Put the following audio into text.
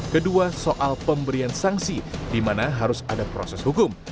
kedua soal pemberian sanksi di mana harus ada proses hukum